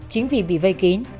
chính vì bị vây kín